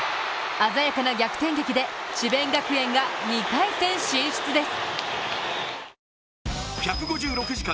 鮮やかな逆転劇で智弁学園が２回戦進出です。